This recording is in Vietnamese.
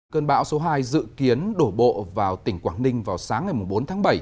cơn bão số hai dự kiến đổ bộ vào tỉnh quảng ninh vào sáng ngày bốn tháng bảy